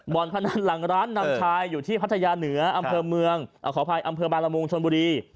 นพนันหลังร้านนำชายอยู่ที่พัทยาเหนืออำเภอเมืองขออภัยอำเภอบางละมุงชนบุรี